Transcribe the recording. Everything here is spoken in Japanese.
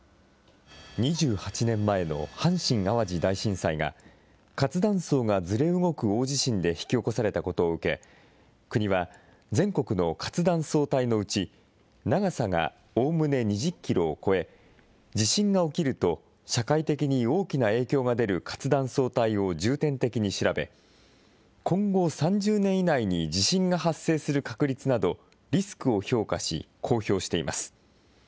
２８年前の阪神・淡路大震災が、活断層がずれ動く大地震で引き起こされたことを受け、国は全国の活断層帯のうち、長さがおおむね２０キロを超え、地震が起きると社会的に大きな影響が出る活断層帯を重点的に調べ、今後３０年以内に地震が発生する確率などリスクを評価し、公表しています。